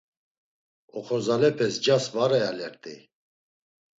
Oxorzalepes ncas var eyalert̆ey.